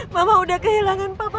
mama udah kehilangan papa